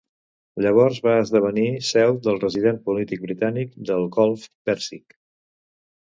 Llavors va esdevenir seu del resident polític britànic del Golf Pèrsic.